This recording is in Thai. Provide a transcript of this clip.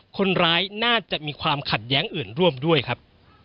คนร้ายน่าจะมีความขัดแย้งอื่นร่วมด้วยครับ